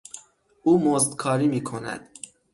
او مزدکاری میکند.